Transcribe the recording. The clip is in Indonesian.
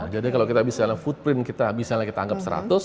jadi kalau kita bisa lihat footprint kita bisa lihat kita anggap seratus